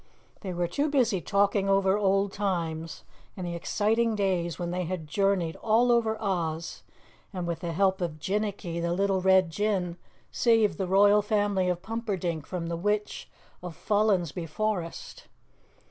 They were too busy talking over old times and the exciting days when they had journeyed all over Oz, and with the help of Jinnicky, the little Red Jinn, saved the Royal Family of Pumperdink from the Witch of Follensby Forest.